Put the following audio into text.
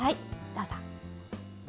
どうぞ。